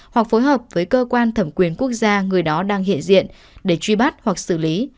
hoặc phối hợp với cơ quan thẩm quyền quốc gia người đó đang hiện diện để truy bắt hoặc xử lý